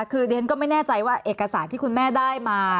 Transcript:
คือเรียนก็ไม่แน่ใจว่าเอกสารที่คุณแม่ได้มา